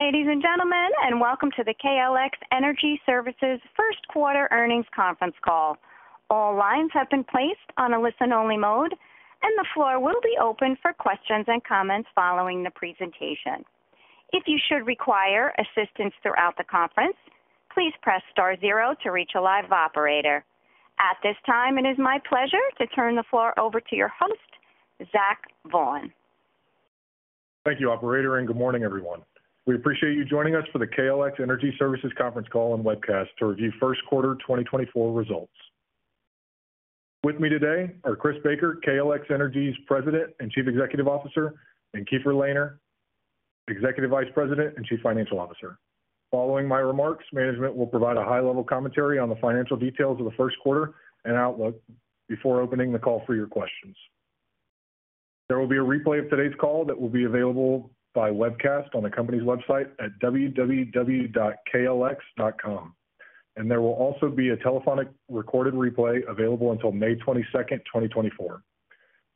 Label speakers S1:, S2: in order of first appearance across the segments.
S1: Ladies and gentlemen, and welcome to the KLX Energy Services first-quarter earnings conference call. All lines have been placed on a listen-only mode, and the floor will be open for questions and comments following the presentation. If you should require assistance throughout the conference, please press star zero to reach a live operator. At this time, it is my pleasure to turn the floor over to your host, Zach Vaughan.
S2: Thank you, operator, and good morning, everyone. We appreciate you joining us for the KLX Energy Services conference call and webcast to review first-quarter 2024 results. With me today are Chris Baker, KLX Energy's President and Chief Executive Officer, and Keefer Lehner, Executive Vice President and Chief Financial Officer. Following my remarks, management will provide a high-level commentary on the financial details of the first quarter and outlook before opening the call for your questions. There will be a replay of today's call that will be available by webcast on the company's website at www.klx.com, and there will also be a telephonic recorded replay available until May 22nd, 2024.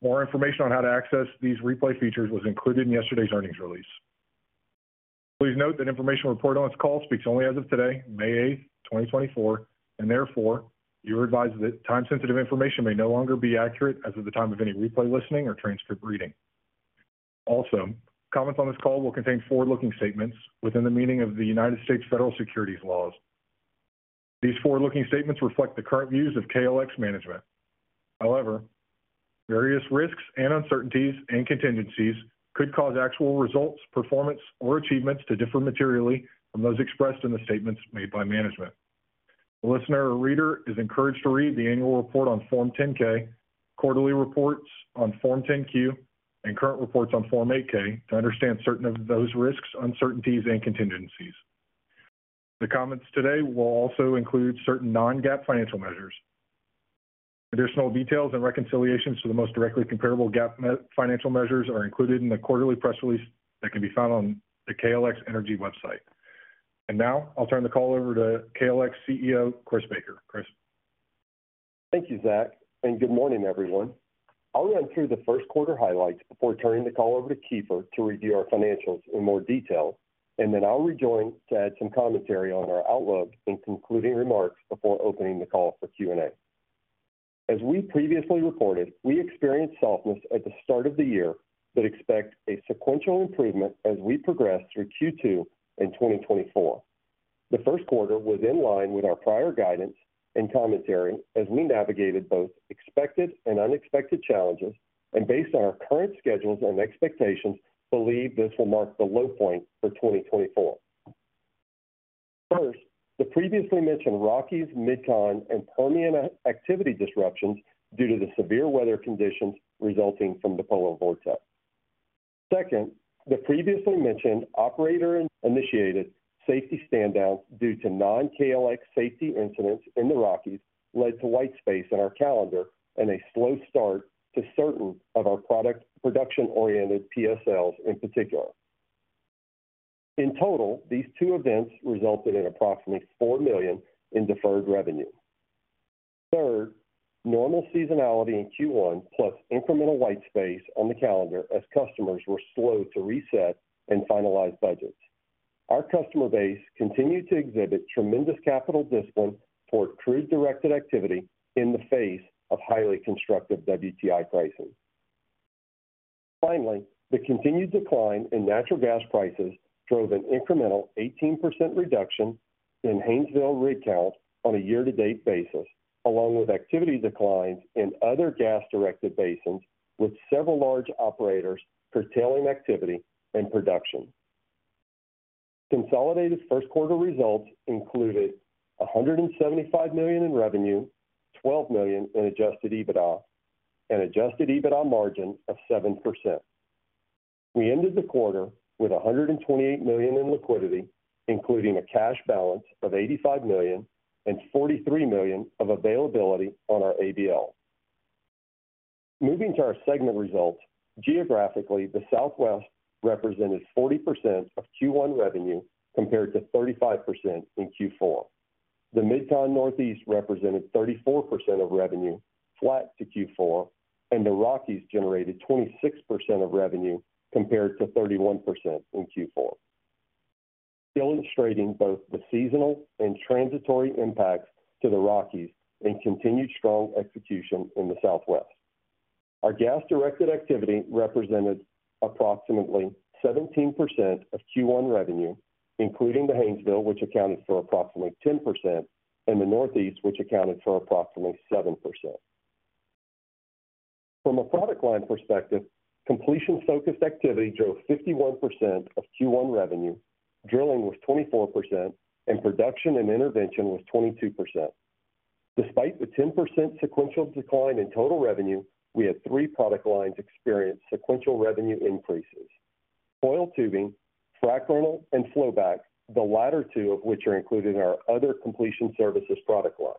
S2: More information on how to access these replay features was included in yesterday's earnings release. Please note that information reported on this call speaks only as of today, May 8th, 2024, and therefore you are advised that time-sensitive information may no longer be accurate as of the time of any replay listening or transcript reading. Also, comments on this call will contain forward-looking statements within the meaning of the United States Federal Securities Laws. These forward-looking statements reflect the current views of KLX management. However, various risks and uncertainties and contingencies could cause actual results, performance, or achievements to differ materially from those expressed in the statements made by management. A listener or reader is encouraged to read the annual report on Form 10-K, quarterly reports on Form 10-Q, and current reports on Form 8-K to understand certain of those risks, uncertainties, and contingencies. The comments today will also include certain non-GAAP financial measures. Additional details and reconciliations to the most directly comparable GAAP financial measures are included in the quarterly press release that can be found on the KLX Energy website. Now I'll turn the call over to KLX CEO Chris Baker. Chris.
S3: Thank you, Zach, and good morning, everyone. I'll run through the first-quarter highlights before turning the call over to Keefer to review our financials in more detail, and then I'll rejoin to add some commentary on our outlook and concluding remarks before opening the call for Q&A. As we previously reported, we experienced softness at the start of the year but expect a sequential improvement as we progress through Q2 in 2024. The first quarter was in line with our prior guidance and commentary as we navigated both expected and unexpected challenges, and based on our current schedules and expectations, believe this will mark the low point for 2024. First, the previously mentioned Rockies, MidCon, and Permian activity disruptions due to the severe weather conditions resulting from the polar vortex. Second, the previously mentioned operator-initiated safety stand-downs due to non-KLX safety incidents in the Rockies led to white space in our calendar and a slow start to certain of our production-oriented PSLs in particular. In total, these two events resulted in approximately $4 million in deferred revenue. Third, normal seasonality in Q1 plus incremental white space on the calendar as customers were slow to reset and finalize budgets. Our customer base continued to exhibit tremendous capital discipline toward crude-directed activity in the face of highly constructive WTI pricing. Finally, the continued decline in natural gas prices drove an incremental 18% reduction in Haynesville rig count on a year-to-date basis, along with activity declines in other gas-directed basins with several large operators curtailing activity and production. Consolidated first-quarter results included $175 million in revenue, $12 million in adjusted EBITDA, and an adjusted EBITDA margin of 7%. We ended the quarter with $128 million in liquidity, including a cash balance of $85 million and $43 million of availability on our ABL. Moving to our segment results, geographically, the Southwest represented 40% of Q1 revenue compared to 35% in Q4. The MidCon Northeast represented 34% of revenue, flat to Q4, and the Rockies generated 26% of revenue compared to 31% in Q4, illustrating both the seasonal and transitory impacts to the Rockies and continued strong execution in the Southwest. Our gas-directed activity represented approximately 17% of Q1 revenue, including the Haynesville, which accounted for approximately 10%, and the Northeast, which accounted for approximately 7%. From a product line perspective, completion-focused activity drove 51% of Q1 revenue, drilling was 24%, and production and intervention was 22%. Despite the 10% sequential decline in total revenue, we had three product lines experience sequential revenue increases: coil tubing, frac rental, and flowback, the latter two of which are included in our other completion services product line.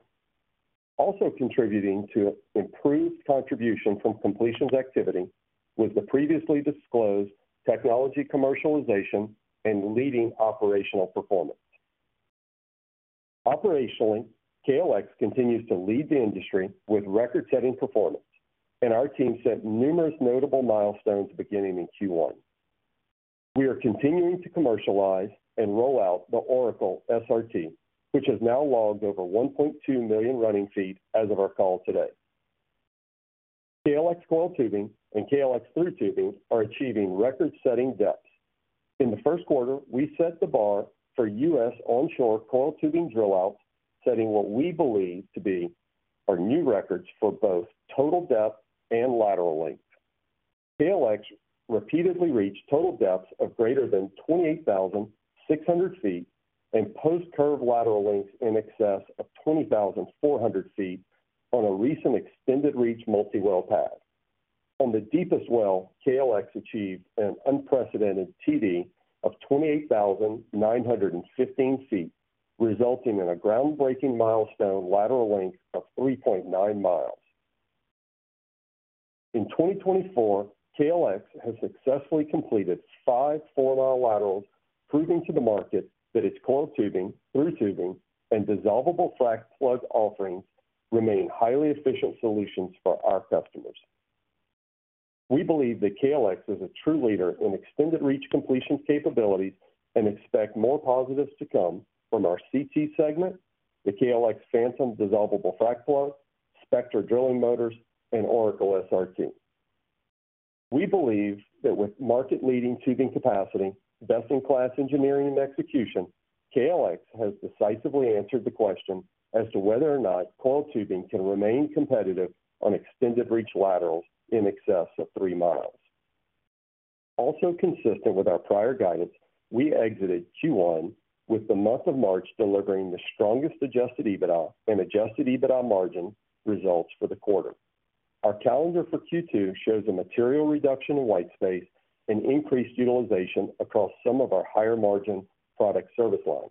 S3: Also contributing to improved contribution from completions activity was the previously disclosed technology commercialization and leading operational performance. Operationally, KLX continues to lead the industry with record-setting performance, and our team set numerous notable milestones beginning in Q1. We are continuing to commercialize and roll out the Oracle SRT, which has now logged over 1.2 million running feet as of our call today. KLX coil tubing and KLX Thru Tubing are achieving record-setting depths. In the first quarter, we set the bar for U.S. onshore coil tubing drillouts, setting what we believe to be our new records for both total depth and lateral length. KLX repeatedly reached total depths of greater than 28,600 feet and post-curve lateral lengths in excess of 20,400 feet on a recent extended reach multiwell pad. On the deepest well, KLX achieved an unprecedented TD of 28,915 feet, resulting in a groundbreaking milestone lateral length of 3.9 miles. In 2024, KLX has successfully completed five four-mile laterals, proving to the market that its Coiled Tubing, Thru Tubing, and dissolvable frac plug offerings remain highly efficient solutions for our customers. We believe that KLX is a true leader in extended reach completions capabilities and expect more positives to come from our CT segment, the KLX Phantom dissolvable frac plug, Spectre drilling motors, and Oracle SRT. We believe that with market-leading tubing capacity, best-in-class engineering, and execution, KLX has decisively answered the question as to whether or not coiled tubing can remain competitive on extended reach laterals in excess of three miles. Also consistent with our prior guidance, we exited Q1 with the month of March delivering the strongest adjusted EBITDA and adjusted EBITDA margin results for the quarter. Our calendar for Q2 shows a material reduction in white space and increased utilization across some of our higher margin product service lines.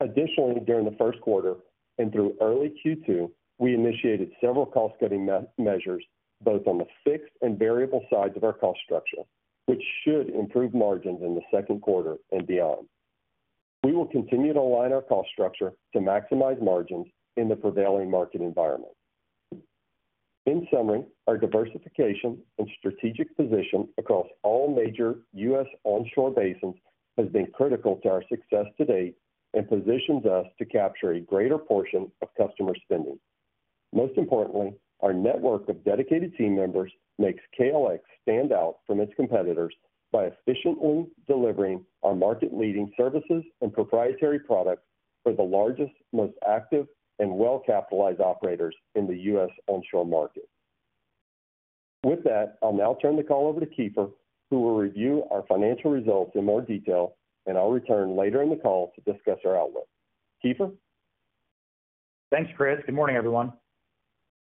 S3: Additionally, during the first quarter and through early Q2, we initiated several cost-cutting measures both on the fixed and variable sides of our cost structure, which should improve margins in the second quarter and beyond. We will continue to align our cost structure to maximize margins in the prevailing market environment. In summary, our diversification and strategic position across all major U.S. onshore basins has been critical to our success to date and positions us to capture a greater portion of customer spending. Most importantly, our network of dedicated team members makes KLX stand out from its competitors by efficiently delivering our market-leading services and proprietary products for the largest, most active, and well-capitalized operators in the U.S. onshore market. With that, I'll now turn the call over to Keefer, who will review our financial results in more detail, and I'll return later in the call to discuss our outlook. Keefer?
S4: Thanks, Chris. Good morning, everyone.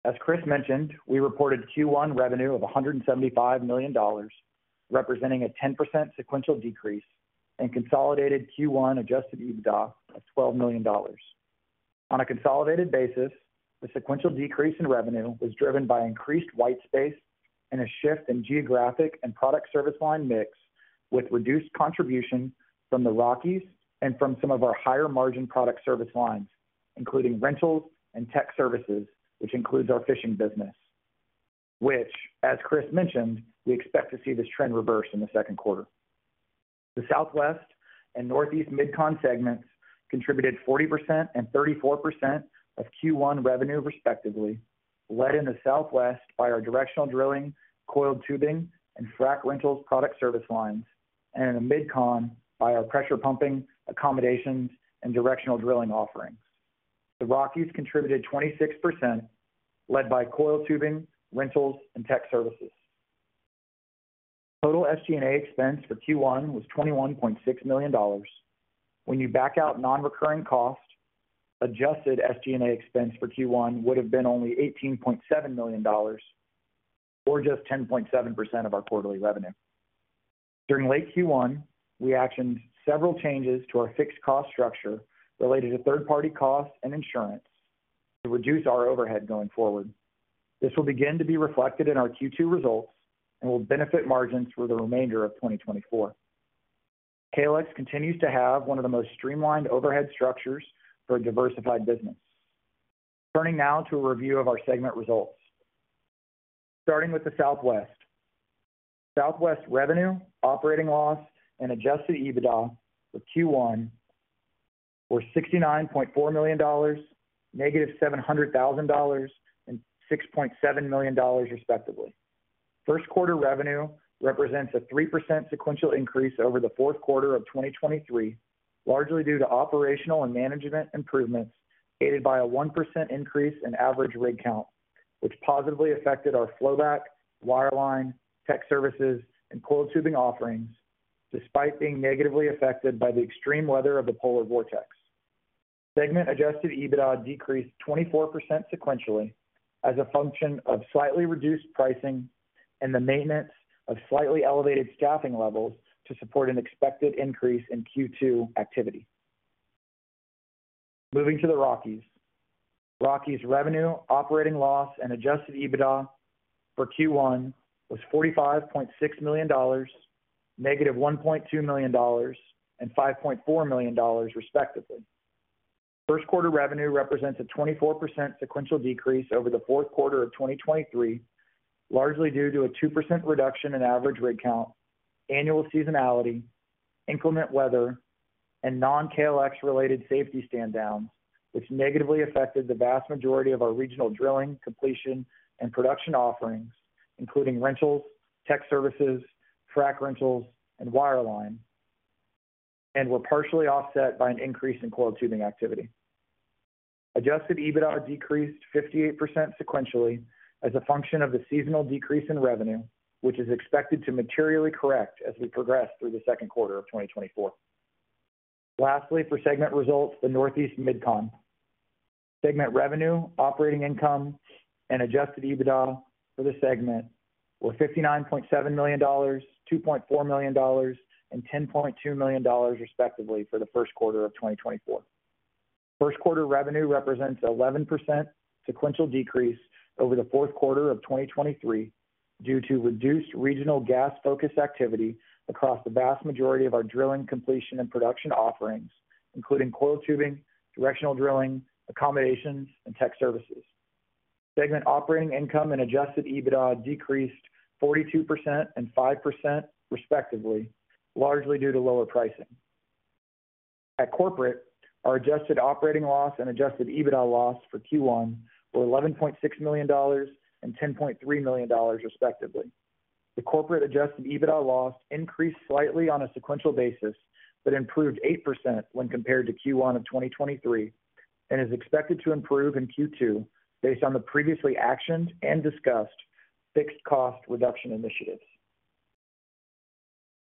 S4: As Chris mentioned, we reported Q1 revenue of $175 million, representing a 10% sequential decrease, and consolidated Q1 Adjusted EBITDA of $12 million. On a consolidated basis, the sequential decrease in revenue was driven by increased white space and a shift in geographic and product service line mix with reduced contribution from the Rockies and from some of our higher margin product service lines, including rentals and tech services, which includes our fishing business, which, as Chris mentioned, we expect to see this trend reverse in the second quarter. The Southwest and Northeast, MidCon segments contributed 40% and 34% of Q1 revenue, respectively, led in the Southwest by our directional drilling, coiled tubing, and frac rentals product service lines, and in the MidCon by our pressure pumping, accommodations, and directional drilling offerings. The Rockies contributed 26%, led by coiled tubing, rentals, and tech services. Total SG&A expense for Q1 was $21.6 million. When you back out non-recurring cost, adjusted SG&A expense for Q1 would have been only $18.7 million or just 10.7% of our quarterly revenue. During late Q1, we actioned several changes to our fixed cost structure related to third-party costs and insurance to reduce our overhead going forward. This will begin to be reflected in our Q2 results and will benefit margins for the remainder of 2024. KLX continues to have one of the most streamlined overhead structures for a diversified business. Turning now to a review of our segment results. Starting with the Southwest. Southwest revenue, operating loss, and adjusted EBITDA for Q1 were $69.4 million, -$700,000, and $6.7 million, respectively. First-quarter revenue represents a 3% sequential increase over the fourth quarter of 2023, largely due to operational and management improvements aided by a 1% increase in average rig count, which positively affected our flowback, wireline, tech services, and coiled tubing offerings despite being negatively affected by the extreme weather of the polar vortex. Segment adjusted EBITDA decreased 24% sequentially as a function of slightly reduced pricing and the maintenance of slightly elevated staffing levels to support an expected increase in Q2 activity. Moving to the Rockies. Rockies revenue, operating loss, and adjusted EBITDA for Q1 was $45.6 million, -$1.2 million, and $5.4 million, respectively. First-quarter revenue represents a 24% sequential decrease over the fourth quarter of 2023, largely due to a 2% reduction in average rig count, annual seasonality, inclement weather, and non-KLX-related safety stand-downs, which negatively affected the vast majority of our regional drilling, completion, and production offerings, including rentals, tech services, frac rentals, and wireline, and were partially offset by an increase in coil tubing activity. Adjusted EBITDA decreased 58% sequentially as a function of the seasonal decrease in revenue, which is expected to materially correct as we progress through the second quarter of 2024. Lastly, for segment results, the Northeast MidCon segment revenue, operating income, and adjusted EBITDA for the segment were $59.7 million, $2.4 million, and $10.2 million, respectively, for the first quarter of 2024. First-quarter revenue represents an 11% sequential decrease over the fourth quarter of 2023 due to reduced regional gas-focused activity across the vast majority of our drilling, completion, and production offerings, including coiled tubing, directional drilling, accommodations, and tech services. Segment operating income and adjusted EBITDA decreased 42% and 5%, respectively, largely due to lower pricing. At corporate, our adjusted operating loss and adjusted EBITDA loss for Q1 were $11.6 million and $10.3 million, respectively. The corporate adjusted EBITDA loss increased slightly on a sequential basis but improved 8% when compared to Q1 of 2023 and is expected to improve in Q2 based on the previously actioned and discussed fixed cost reduction initiatives.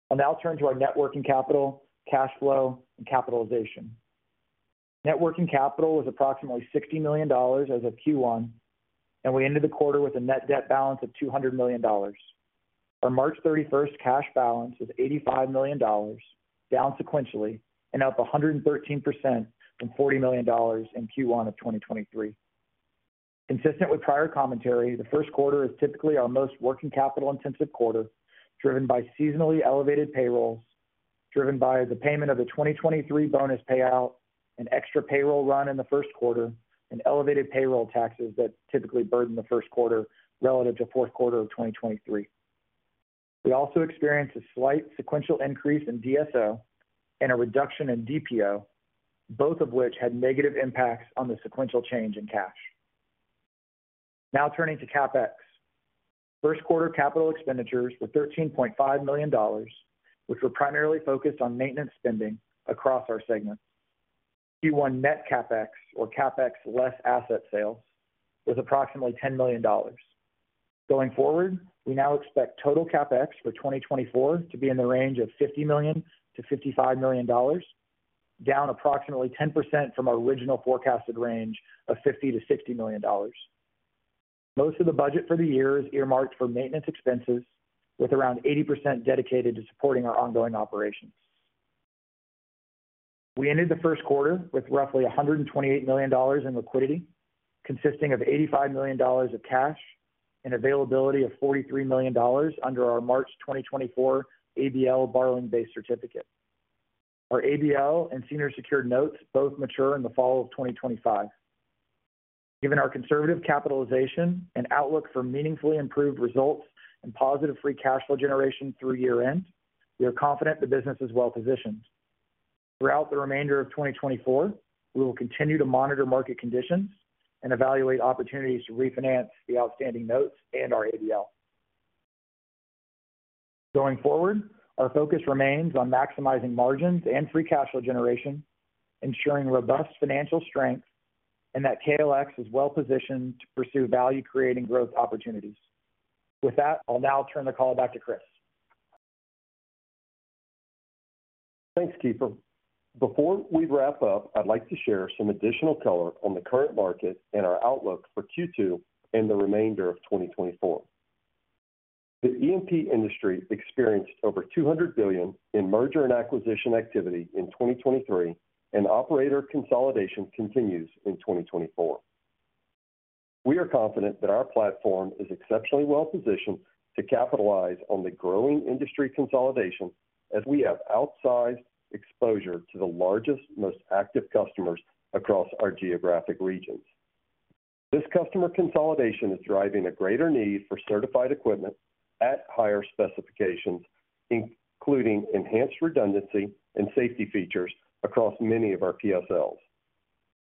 S4: I'll now turn to our net working capital, cash flow, and capitalization. Net working capital was approximately $60 million as of Q1, and we ended the quarter with a net debt balance of $200 million. Our March 31st cash balance is $85 million, down sequentially and up 113% from $40 million in Q1 of 2023. Consistent with prior commentary, the first quarter is typically our most working capital-intensive quarter, driven by seasonally elevated payrolls, driven by the payment of the 2023 bonus payout, an extra payroll run in the first quarter, and elevated payroll taxes that typically burden the first quarter relative to fourth quarter of 2023. We also experienced a slight sequential increase in DSO and a reduction in DPO, both of which had negative impacts on the sequential change in cash. Now turning to CapEx. First-quarter capital expenditures were $13.5 million, which were primarily focused on maintenance spending across our segments. Q1 net CapEx, or CapEx less asset sales, was approximately $10 million. Going forward, we now expect total CapEx for 2024 to be in the range of $50 million-$55 million, down approximately 10% from our original forecasted range of $50 million-$60 million. Most of the budget for the year is earmarked for maintenance expenses, with around 80% dedicated to supporting our ongoing operations. We ended the first quarter with roughly $128 million in liquidity, consisting of $85 million of cash and availability of $43 million under our March 2024 ABL borrowing base certificate. Our ABL and senior secured notes both mature in the fall of 2025. Given our conservative capitalization and outlook for meaningfully improved results and positive free cash flow generation through year-end, we are confident the business is well positioned. Throughout the remainder of 2024, we will continue to monitor market conditions and evaluate opportunities to refinance the outstanding notes and our ABL. Going forward, our focus remains on maximizing margins and free cash flow generation, ensuring robust financial strength, and that KLX is well positioned to pursue value-creating growth opportunities. With that, I'll now turn the call back to Chris.
S3: Thanks, Keefer. Before we wrap up, I'd like to share some additional color on the current market and our outlook for Q2 and the remainder of 2024. The E&P industry experienced over $200 billion in merger and acquisition activity in 2023, and operator consolidation continues in 2024. We are confident that our platform is exceptionally well positioned to capitalize on the growing industry consolidation as we have outsized exposure to the largest, most active customers across our geographic regions. This customer consolidation is driving a greater need for certified equipment at higher specifications, including enhanced redundancy and safety features across many of our PSLs.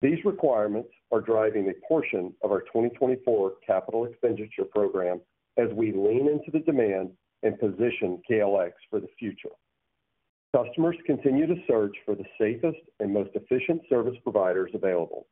S3: These requirements are driving a portion of our 2024 capital expenditure program as we lean into the demand and position KLX for the future. Customers continue to search for the safest and most efficient service providers available.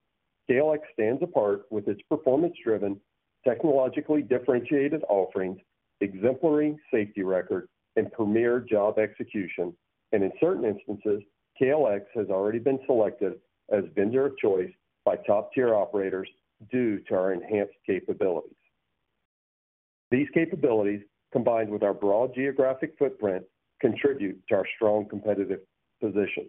S3: KLX stands apart with its performance-driven, technologically differentiated offerings, exemplary safety record, and premier job execution, and in certain instances, KLX has already been selected as vendor of choice by top-tier operators due to our enhanced capabilities. These capabilities, combined with our broad geographic footprint, contribute to our strong competitive position.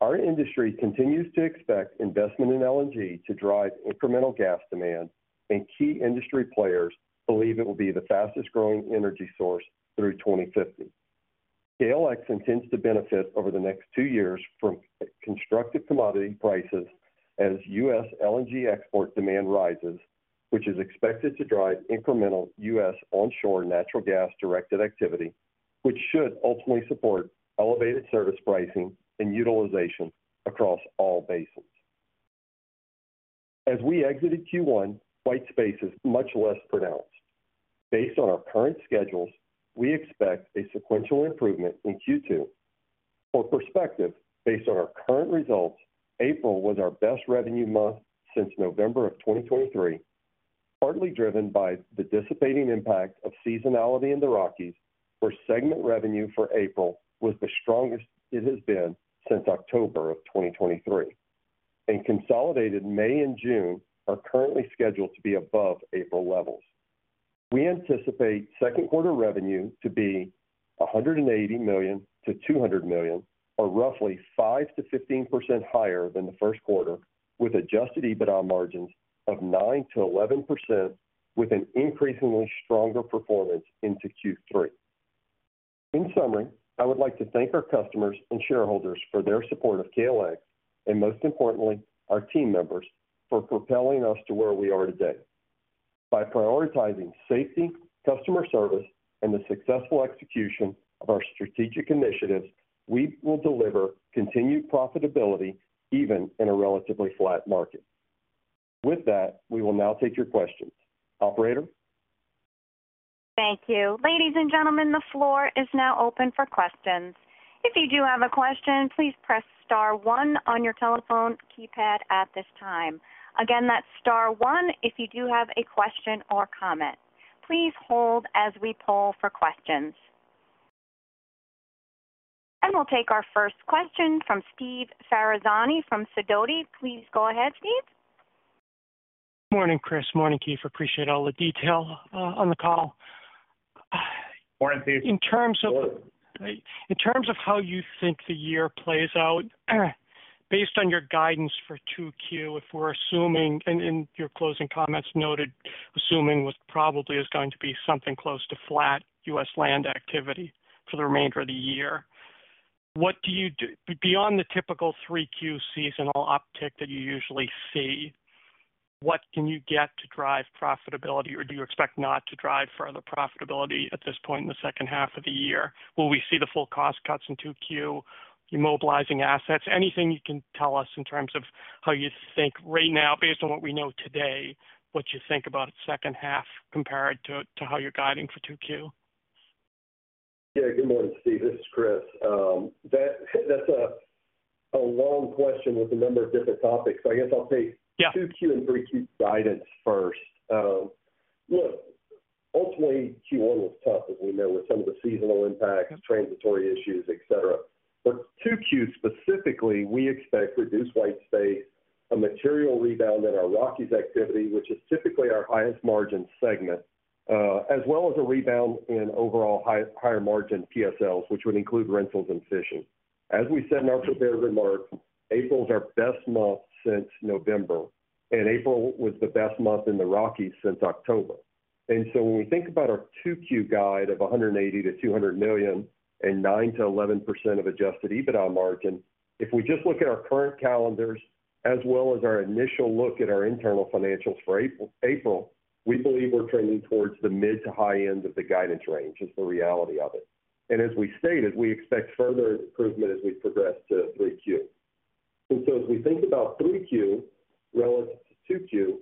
S3: Our industry continues to expect investment in LNG to drive incremental gas demand, and key industry players believe it will be the fastest-growing energy source through 2050. KLX intends to benefit over the next two years from constructive commodity prices as U.S. LNG export demand rises, which is expected to drive incremental U.S. onshore natural gas directed activity, which should ultimately support elevated service pricing and utilization across all basins. As we exited Q1, white space is much less pronounced. Based on our current schedules, we expect a sequential improvement in Q2. For perspective, based on our current results, April was our best revenue month since November of 2023, partly driven by the dissipating impact of seasonality in the Rockies, where segment revenue for April was the strongest it has been since October of 2023, and consolidated May and June are currently scheduled to be above April levels. We anticipate second-quarter revenue to be $180 million-$200 million, or roughly 5%-15% higher than the first quarter, with adjusted EBITDA margins of 9%-11%, with an increasingly stronger performance into Q3. In summary, I would like to thank our customers and shareholders for their support of KLX and, most importantly, our team members for propelling us to where we are today. By prioritizing safety, customer service, and the successful execution of our strategic initiatives, we will deliver continued profitability even in a relatively flat market. With that, we will now take your questions. Operator?
S1: Thank you. Ladies and gentlemen, the floor is now open for questions. If you do have a question, please press star one on your telephone keypad at this time. Again, that's star one if you do have a question or comment. Please hold as we pull for questions. And we'll take our first question from Steve Ferazani from Sidoti. Please go ahead, Steve.
S5: Good morning, Chris. Morning, Keefer. Appreciate all the detail on the call.
S3: Morning, Steve.
S5: In terms of how you think the year plays out, based on your guidance for 2Q, if we're assuming and your closing comments noted assuming what probably is going to be something close to flat U.S. land activity for the remainder of the year, what do you do beyond the typical 3Q seasonal uptick that you usually see, what can you get to drive profitability, or do you expect not to drive further profitability at this point in the second half of the year? Will we see the full cost cuts in 2Q, immobilizing assets? Anything you can tell us in terms of how you think right now, based on what we know today, what you think about second half compared to how you're guiding for 2Q?
S3: Yeah. Good morning, Steve. This is Chris. That's a long question with a number of different topics, so I guess I'll take 2Q and 3Q guidance first. Look, ultimately, Q1 was tough, as we know, with some of the seasonal impacts, transitory issues, etc. But 2Q specifically, we expect reduced white space, a material rebound in our Rockies activity, which is typically our highest margin segment, as well as a rebound in overall higher margin PSLs, which would include rentals and fishing. As we said in our prepared remarks, April is our best month since November, and April was the best month in the Rockies since October. When we think about our 2Q guide of $180-$200 million and 9%-11% Adjusted EBITDA margin, if we just look at our current calendars as well as our initial look at our internal financials for April, we believe we're trending towards the mid to high end of the guidance range, is the reality of it. As we stated, we expect further improvement as we progress to 3Q. As we think about 3Q relative to 2Q,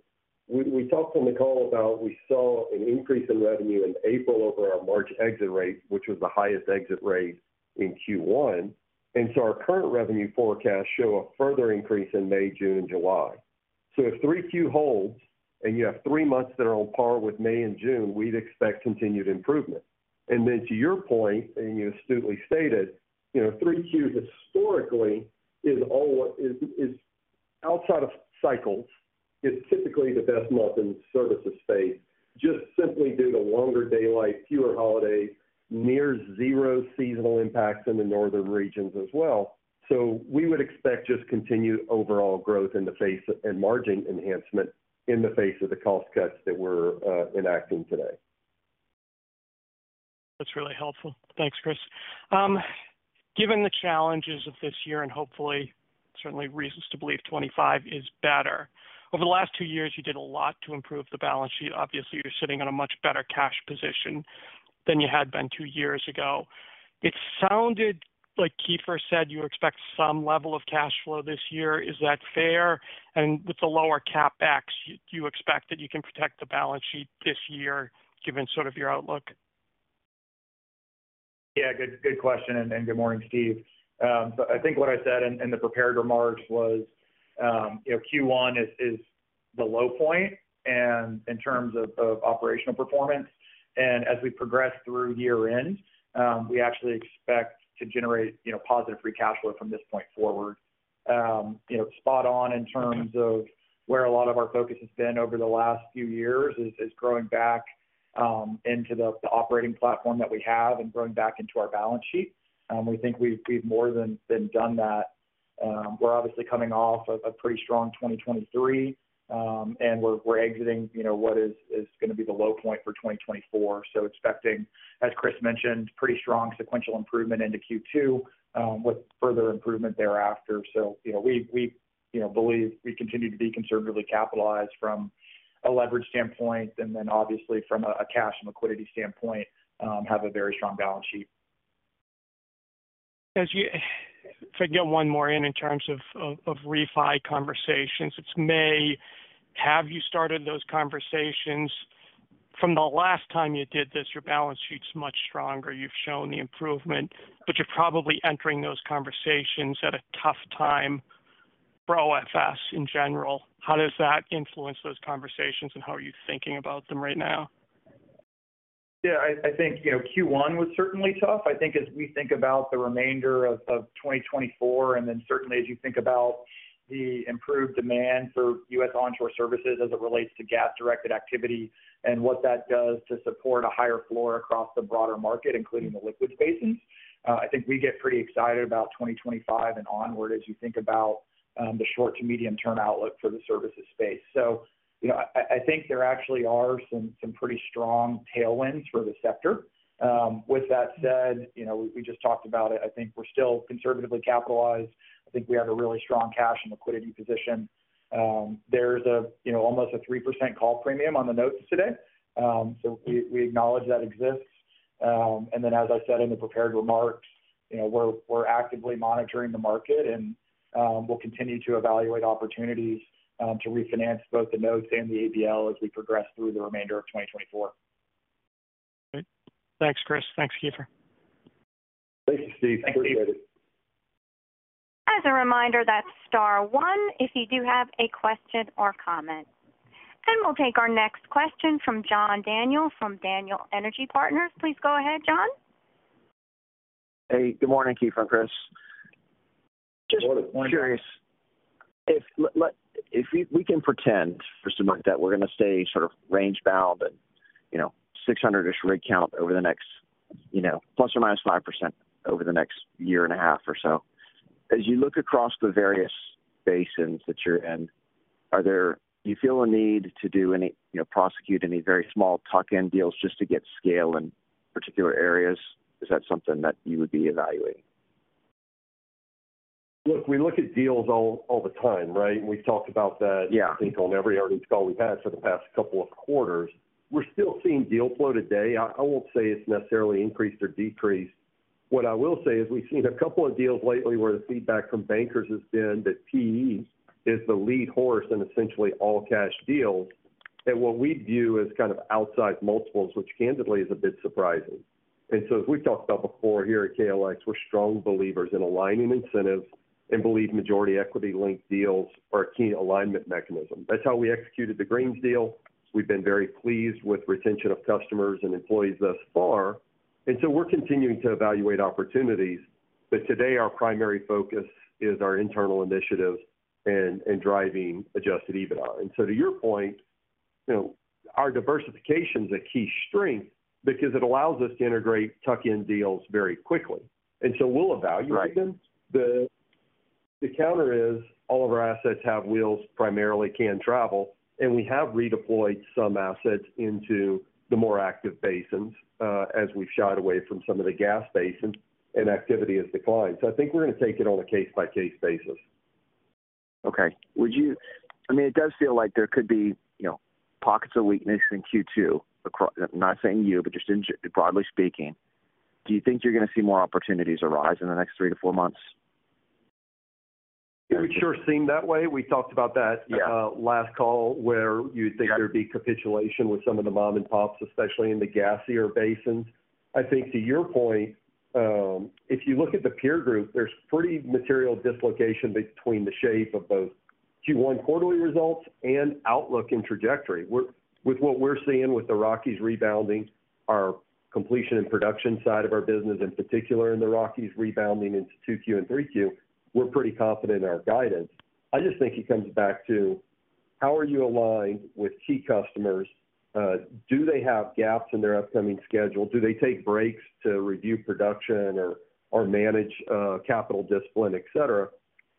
S3: we talked on the call about, we saw an increase in revenue in April over our March exit rate, which was the highest exit rate in Q1, and so our current revenue forecasts show a further increase in May, June, and July. If 3Q holds and you have three months that are on par with May and June, we'd expect continued improvement. And then to your point, and you astutely stated, 3Q historically is outside of cycles. It's typically the best month in the services space, just simply due to longer daylight, fewer holidays, near-zero seasonal impacts in the northern regions as well. So we would expect just continued overall growth in the face and margin enhancement in the face of the cost cuts that we're enacting today.
S5: That's really helpful. Thanks, Chris. Given the challenges of this year and hopefully, certainly reasons to believe 2025 is better, over the last two years, you did a lot to improve the balance sheet. Obviously, you're sitting on a much better cash position than you had been two years ago. It sounded like Keefer said you expect some level of cash flow this year. Is that fair? And with the lower CapEx, do you expect that you can protect the balance sheet this year given sort of your outlook?
S4: Yeah. Good question and good morning, Steve. So I think what I said in the prepared remarks was Q1 is the low point in terms of operational performance, and as we progress through year-end, we actually expect to generate positive free cash flow from this point forward. Spot on in terms of where a lot of our focus has been over the last few years is growing back into the operating platform that we have and growing back into our balance sheet. We think we've more than done that. We're obviously coming off of a pretty strong 2023, and we're exiting what is going to be the low point for 2024, so expecting, as Chris mentioned, pretty strong sequential improvement into Q2 with further improvement thereafter. We believe we continue to be conservatively capitalized from a leverage standpoint and then, obviously, from a cash and liquidity standpoint, have a very strong balance sheet.
S5: If I can get one more in terms of refi conversations. It's May. Have you started those conversations? From the last time you did this, your balance sheet's much stronger. You've shown the improvement, but you're probably entering those conversations at a tough time for OFS in general. How does that influence those conversations and how are you thinking about them right now?
S4: Yeah. I think Q1 was certainly tough. I think as we think about the remainder of 2024 and then certainly as you think about the improved demand for U.S. onshore services as it relates to gas-directed activity and what that does to support a higher floor across the broader market, including the liquids basins, I think we get pretty excited about 2025 and onward as you think about the short to medium-term outlook for the services space. So I think there actually are some pretty strong tailwinds for the sector. With that said, we just talked about it. I think we're still conservatively capitalized. I think we have a really strong cash and liquidity position. There's almost a 3% call premium on the notes today, so we acknowledge that exists. And then, as I said in the prepared remarks, we're actively monitoring the market, and we'll continue to evaluate opportunities to refinance both the notes and the ABL as we progress through the remainder of 2024.
S5: Great. Thanks, Chris. Thanks, Keefer.
S3: Thank you, Steve. Appreciate it.
S1: As a reminder, that's star one if you do have a question or comment. And we'll take our next question from John Daniel from Daniel Energy Partners. Please go ahead, John.
S6: Hey. Good morning, Keefer, Chris. Just curious.
S4: Good morning.
S6: If we can pretend for some months that we're going to stay sort of range-bound and 600-ish rig count over the next ±5% over the next year and a half or so. As you look across the various basins that you're in, do you feel a need to prosecute any very small tuck-in deals just to get scale in particular areas? Is that something that you would be evaluating?
S3: Look, we look at deals all the time, right? We've talked about that, I think, on every earnings call we've had for the past couple of quarters. We're still seeing deal flow today. I won't say it's necessarily increased or decreased. What I will say is we've seen a couple of deals lately where the feedback from bankers has been that PE is the lead horse in essentially all cash deals at what we view as kind of outside multiples, which candidly is a bit surprising. So as we've talked about before here at KLX, we're strong believers in aligning incentives and believe majority equity-linked deals are a key alignment mechanism. That's how we executed the Greene's deal. We've been very pleased with retention of customers and employees thus far. We're continuing to evaluate opportunities, but today, our primary focus is our internal initiatives and driving Adjusted EBITDA. To your point, our diversification is a key strength because it allows us to integrate tuck-in deals very quickly. We'll evaluate them. The counter is all of our assets have wheels, primarily, can travel, and we have redeployed some assets into the more active basins as we've shied away from some of the gas basins and activity has declined. I think we're going to take it on a case-by-case basis.
S6: Okay. I mean, it does feel like there could be pockets of weakness in Q2, not saying you, but just broadly speaking. Do you think you're going to see more opportunities arise in the next three to four months?
S3: Yeah. It would sure seem that way. We talked about that last call where you'd think there'd be capitulation with some of the mom-and-pops, especially in the gassier basins. I think to your point, if you look at the peer group, there's pretty material dislocation between the shape of both Q1 quarterly results and outlook and trajectory. With what we're seeing with the Rockies rebounding, our completion and production side of our business, in particular in the Rockies rebounding into 2Q and 3Q, we're pretty confident in our guidance. I just think it comes back to how are you aligned with key customers? Do they have gaps in their upcoming schedule? Do they take breaks to review production or manage capital discipline, etc.?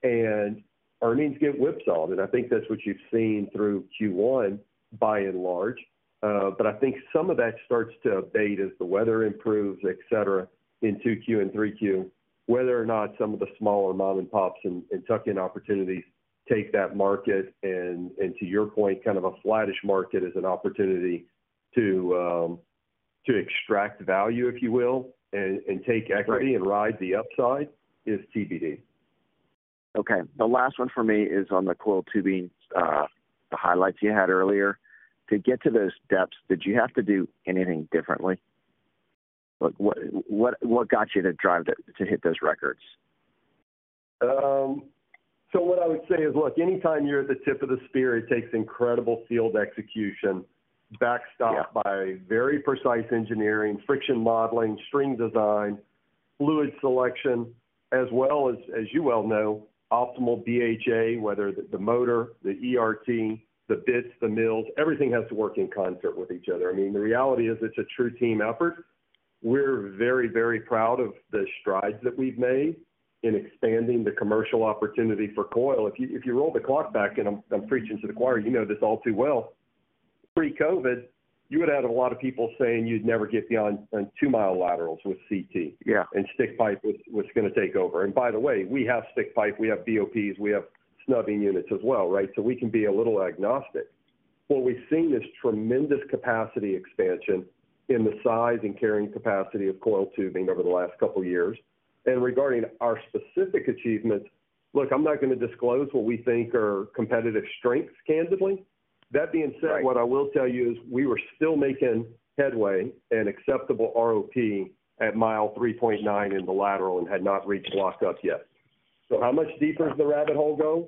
S3: And earnings get whipsawed, and I think that's what you've seen through Q1, by and large. But I think some of that starts to abate as the weather improves, etc., in 2Q and 3Q, whether or not some of the smaller mom-and-pops and tuck-in opportunities take that market and, to your point, kind of a flat-ish market as an opportunity to extract value, if you will, and take equity and ride the upside is TBD.
S6: Okay. The last one for me is on the coiled tubing, the highlights you had earlier. To get to those depths, did you have to do anything differently? What got you to drive to hit those records?
S3: So what I would say is, look, anytime you're at the tip of the spear, it takes incredible field execution, backstopped by very precise engineering, friction modeling, string design, fluid selection, as well as, as you well know, optimal BHA, whether the motor, the ERT, the bits, the mills, everything has to work in concert with each other. I mean, the reality is it's a true team effort. We're very, very proud of the strides that we've made in expanding the commercial opportunity for coil. If you roll the clock back, and I'm preaching to the choir, you know this all too well, pre-COVID, you would have had a lot of people saying you'd never get beyond 2-mile laterals with CT and stick pipe was going to take over. And by the way, we have stick pipe. We have BOPs. We have snubbing units as well, right? So we can be a little agnostic. What we've seen is tremendous capacity expansion in the size and carrying capacity of coiled tubing over the last couple of years. And regarding our specific achievements, look, I'm not going to disclose what we think are competitive strengths, candidly. That being said, what I will tell you is we were still making headway and acceptable ROP at mile 3.9 in the lateral and had not reached lockup yet. So how much deeper does the rabbit hole go?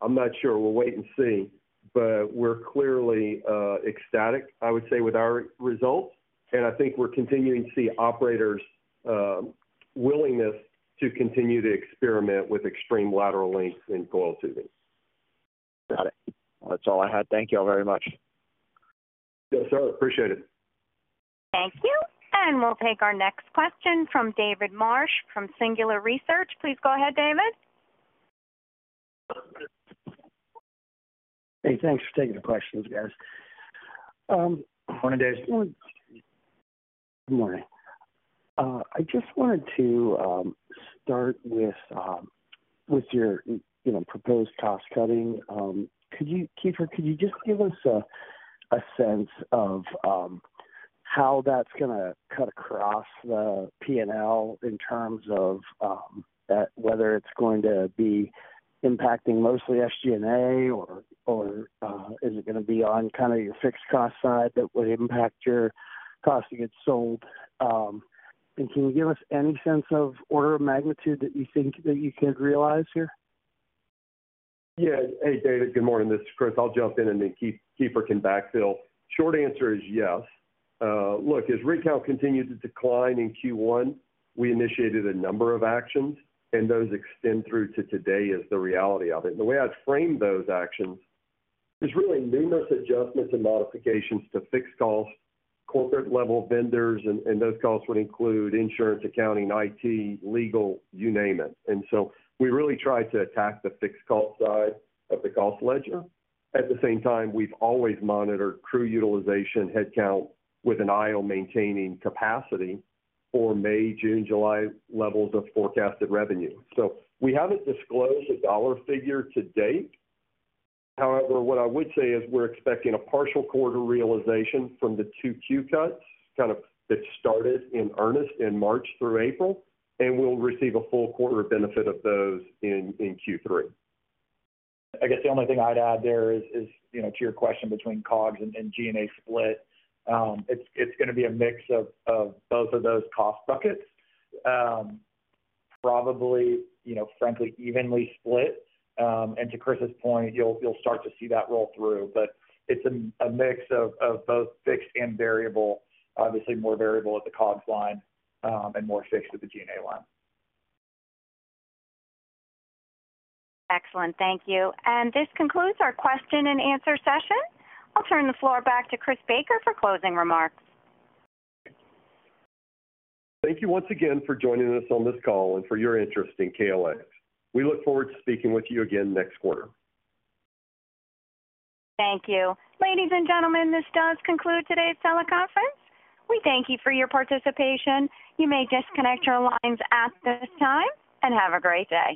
S3: I'm not sure. We'll wait and see. But we're clearly ecstatic, I would say, with our results, and I think we're continuing to see operators' willingness to continue to experiment with extreme lateral lengths in coiled tubing.
S6: Got it. That's all I had. Thank you all very much.
S3: Yes, sir. Appreciate it.
S1: Thank you. And we'll take our next question from David Marsh from Singular Research. Please go ahead, David.
S7: Hey. Thanks for taking the questions, guys.
S2: Good morning, Dave.
S7: Good morning. I just wanted to start with your proposed cost-cutting. Keefer, could you just give us a sense of how that's going to cut across the P&L in terms of whether it's going to be impacting mostly SG&A, or is it going to be on kind of your fixed-cost side that would impact your cost of goods sold? And can you give us any sense of order of magnitude that you think that you could realize here?
S3: Yeah. Hey, David. Good morning. This is Chris. I'll jump in, and then Keefer can backfill. Short answer is yes. Look, as revenue continued to decline in Q1, we initiated a number of actions, and those extend through to today is the reality of it. And the way I'd frame those actions is really numerous adjustments and modifications to fixed costs, corporate-level vendors, and those costs would include insurance, accounting, IT, legal, you name it. And so we really tried to attack the fixed-cost side of the cost ledger. At the same time, we've always monitored crew utilization, headcount, with an eye on maintaining capacity for May, June, July levels of forecasted revenue. So we haven't disclosed a dollar figure to date. However, what I would say is we're expecting a partial quarter realization from the 2 Q cuts kind of that started in earnest in March through April, and we'll receive a full quarter benefit of those in Q3.
S4: I guess the only thing I'd add there is to your question between COGS and G&A split, it's going to be a mix of both of those cost buckets, probably, frankly, evenly split. And to Chris's point, you'll start to see that roll through, but it's a mix of both fixed and variable, obviously more variable at the COGS line and more fixed at the G&A line.
S1: Excellent. Thank you. This concludes our question-and-answer session. I'll turn the floor back to Chris Baker for closing remarks.
S3: Thank you once again for joining us on this call and for your interest in KLX. We look forward to speaking with you again next quarter.
S1: Thank you. Ladies and gentlemen, this does conclude today's teleconference. We thank you for your participation. You may disconnect your lines at this time and have a great day.